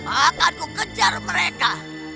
akanku kejar mereka